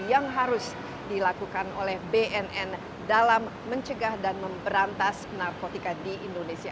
yang harus dilakukan oleh bnn dalam mencegah dan memberantas narkotika di indonesia